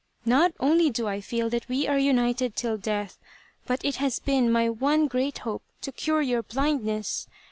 Not only do I feel that we are united till death, but it has been my one great hope to cure your blindness.